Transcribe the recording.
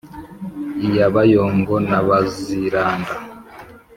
iya bayongo na baziranda